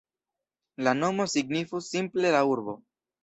La nomo signifus simple "la urbo".